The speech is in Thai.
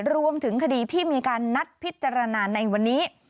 รวมถึงคดีที่มีการนัดพิจารณาในวันนี้